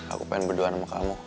aku pengen berdoa sama kamu